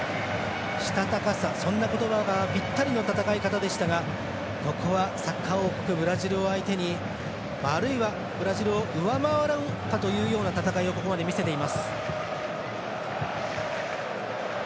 したたかさ、そんな言葉がぴったりの戦い方でしたがここはサッカー王国ブラジルを相手にあるいはブラジルを上回らんかという戦いをここまで見せています。